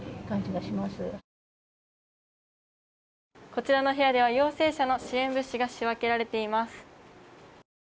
こちらの部屋では陽性者の支援物資が仕分けられています。